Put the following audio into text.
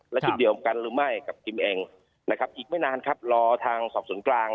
และชุดเดียวกันรึไม่กับทิมแต่งอีกไม่นานครับรอทางสอบสุนกลาง